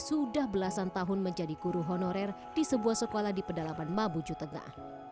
sudah belasan tahun menjadi guru honorer di sebuah sekolah di pedalaman mabuju tengah